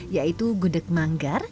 yaitu gudeg manggar